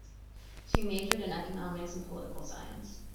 She majored in economics and political science.